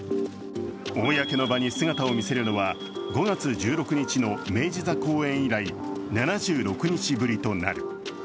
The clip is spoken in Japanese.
公の場に姿を見せるのは５月１６日の明治座公演以来７６日目となる。